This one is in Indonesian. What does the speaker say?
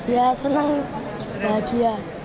ya senang bahagia